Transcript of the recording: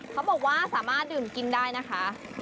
เขาบอกว่าสามารถดื่มกินได้นะคะ